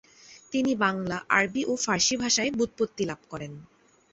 তিনি বাংলা, আরবি ও ফার্সি ভাষায় ব্যুৎপত্তি লাভ করেন।